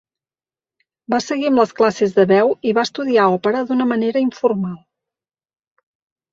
Va seguir amb les classes de veu i va estudiar òpera d'una manera informal.